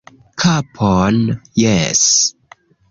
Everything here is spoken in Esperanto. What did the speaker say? Kapon... jes...